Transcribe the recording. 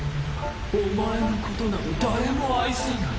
お前のことなど誰も愛さない。